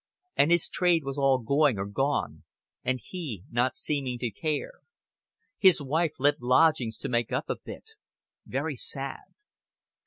And his trade was all going or gone, and he not seeming to care. His wife let lodgings to make up a bit. Very sad.